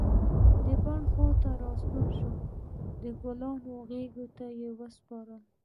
د بڼ و خواته راستنې کړي د ګلونو غیږ ته یې وسپاری